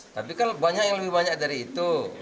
tapi kan banyak yang lebih banyak dari itu